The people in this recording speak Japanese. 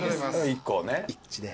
１で。